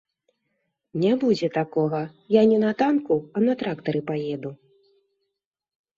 Не будзе такога, я не на танку, а на трактары паеду.